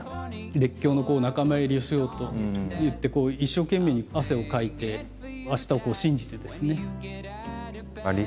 列強の仲間入りをしようといって一生懸命に汗をかいて明日を信じてですね。